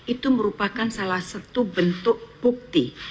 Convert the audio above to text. itu merupakan salah satu bentuk bukti